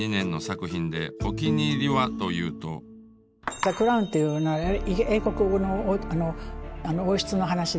「ザ・クラウン」っていうのは英国の王室の話で。